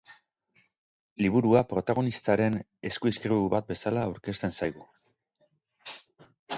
Liburua protagonistaren eskuizkribu bat bezala aurkezten zaigu.